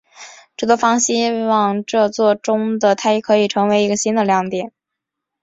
制作方希望这作中的泰伊可以成为一个新的亮点。